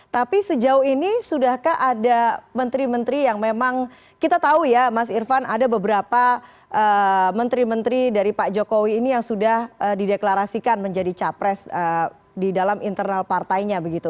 tapi sejauh ini sudahkah ada menteri menteri yang memang kita tahu ya mas irfan ada beberapa menteri menteri dari pak jokowi ini yang sudah dideklarasikan menjadi capres di dalam internal partainya begitu